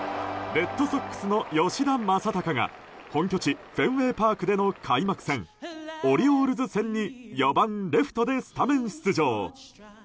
レッドソックスの吉田正尚が本拠地、フェンウェイパークでの開幕戦オリオールズ戦に４番、レフトでスタメン出場。